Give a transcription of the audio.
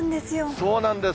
そうなんです。